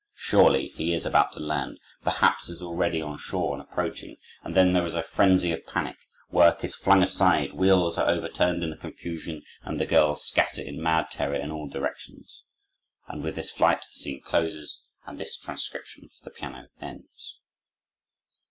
Surely he is about to land, perhaps is already on shore and approaching; and then there is a frenzy of panic; work is flung aside, wheels are overturned in the confusion, and the girls scatter in mad terror in all directions; and with this flight the scene closes, and this transcription for the piano ends.